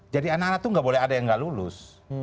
jadi anak anak itu gak boleh ada yang gak lulus